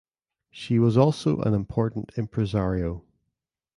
She was also an important impresario.